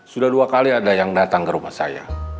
sudah dua kali ada yang datang ke rumah saya